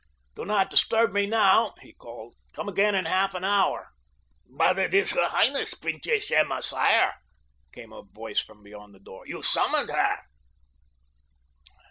"Do not disturb me now," he called. "Come again in half an hour." "But it is Her Highness, Princess Emma, sire," came a voice from beyond the door. "You summoned her."